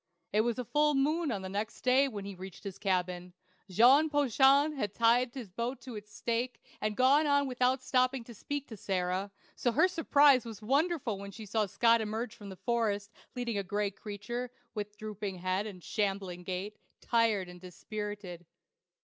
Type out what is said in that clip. It was full noon of the next day when he reached his cabin. Jean Poiton had tied his boat to its stake, and gone on without stopping to speak to Sarah; so her surprise was wonderful when she saw Scott emerge from the forest, leading a gray creature, with drooping head and shambling gait, tired and dispirited.